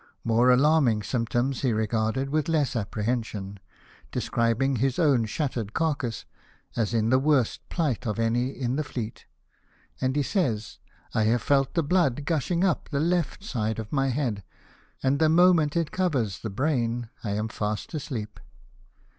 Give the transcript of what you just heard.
More alarming symptoms he regarded with less apprehension ; describing his o"vvn '' shattered carcass " as in the worst plight of any in the fleet ; and he says, "1 have felt the blood gushing up the left side of my head, and the moment it covers the brain I am fast asleep."